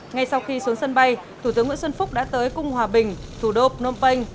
ngay sau khi xuống sân bay thủ tướng nguyễn xuân phúc đã tới cung hòa bình thủ đô phnom penh